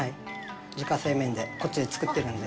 自家製麺で、こっちで作ってるんで。